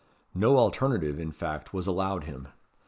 No alternative, in fact, was allowed him.